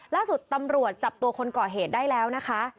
ล่าสุดตำรวจจับตัวคนก่อเหตุได้แล้วนะคะ